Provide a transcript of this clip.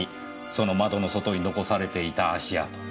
その窓の外に残されていた足跡。